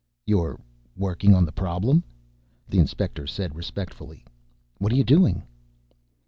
"You're working on the problem?" the Inspector said respectfully. "What are you doing?"